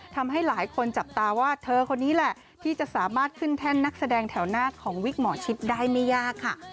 ทำให้หลายคนจับตาว่าเธอคนนี้แหละที่จะสามารถขึ้นแท่นนักแสดงแถวหน้าของวิกหมอชิดได้ไม่ยากค่ะ